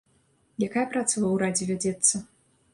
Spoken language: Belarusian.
Якая праца ва ўрадзе вядзецца?